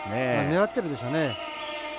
狙ってるでしょうね。